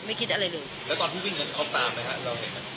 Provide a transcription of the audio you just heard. คิดอะไรเลยแล้วตอนที่วิ่งกันเขาตามไหมฮะเราเห็น